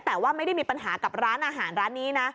แต่ว่าไม่ได้มีปัญหากับร้านอาหารร้านนี้นะ